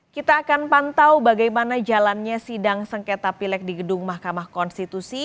kita akan pantau bagaimana jalannya sidang sengketa pilek di gedung mahkamah konstitusi